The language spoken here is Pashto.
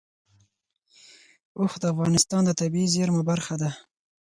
اوښ د افغانستان د طبیعي زیرمو برخه ده.